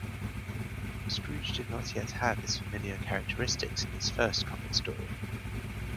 Scrooge did not yet have his familiar characteristics in his first comic story.